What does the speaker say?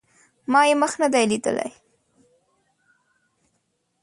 ما یې مخ نه دی لیدلی